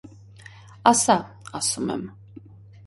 - Ասա, ասում եմ: